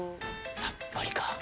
やっぱりか。